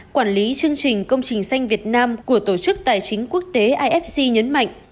quản lý chương trình công trình xanh việt nam của tổ chức tài chính quốc tế ifc nhấn mạnh